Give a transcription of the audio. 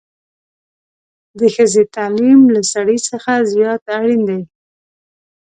د ښځې تعليم له سړي څخه زيات اړين دی